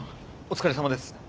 お疲れさまです。